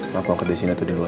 mak mau ke disini atau di luar